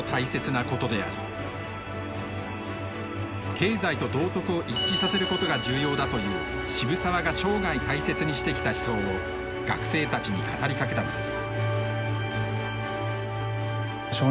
経済と道徳を一致させることが重要だという渋沢が生涯大切にしてきた思想を学生たちに語りかけたのです。